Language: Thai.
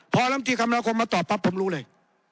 พอลำตีคำนาคมมาตอบปั๊บผมรู้เลย